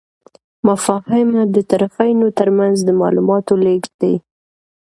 مفاهمه د طرفینو ترمنځ د معلوماتو لیږد دی.